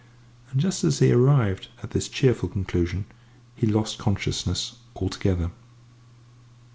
And, just as he arrived at this cheerful conclusion, he lost consciousness altogether.